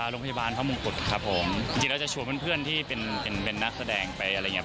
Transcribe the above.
โรงพยาบาลพระมงกุฎครับผมจริงแล้วจะชวนเพื่อนที่เป็นเป็นนักแสดงไปอะไรอย่างเงี้